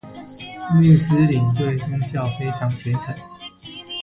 穆斯林對宗教非常虔誠